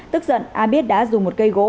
tức giận a biết đã dùng một cây gỗ